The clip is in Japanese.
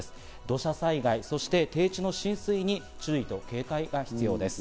土砂災害、そして低地の浸水に注意と警戒が必要です。